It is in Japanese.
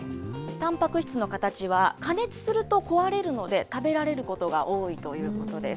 たんぱく質の形は加熱すると壊れるので食べられることが多いということです。